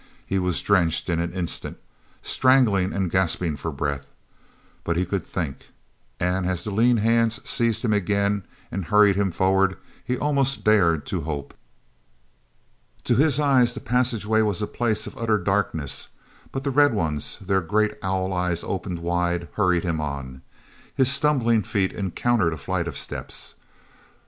He was drenched in an instant, strangling and gasping for breath. But he could think! And, as the lean hands seized him again and hurried him forward, he almost dared to hope. o his eyes the passageway was a place of utter darkness, but the red ones, their great owl eyes opened wide, hurried him on. His stumbling feet encountered a flight of steps.